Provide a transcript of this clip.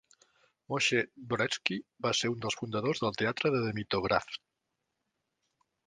Moshe Dvoretzky va ser un dels fundadors del teatre de Dimitrovgrad.